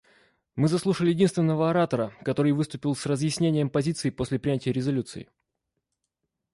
Мы заслушали единственного оратора, который выступил с разъяснением позиции после принятии резолюции.